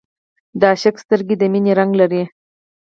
د عاشق سترګې د مینې رنګ لري